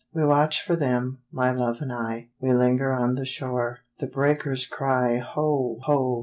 We watch for them, my love and I; We linger on the shore. The breakers cry Ho! ho!